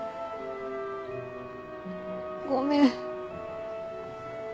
ごめん。